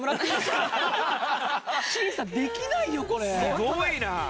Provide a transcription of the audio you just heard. すごいな！